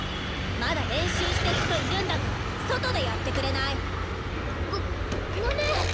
まだ練習してる人いるんだから外でやってくれない！？ごごめん。